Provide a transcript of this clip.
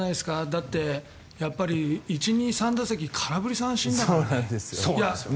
だって１、２、３打席空振り三振だからね。